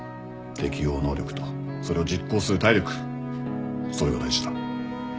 適応能力とそれを実行する体力それが大事だ。